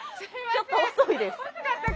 ちょっと遅いです。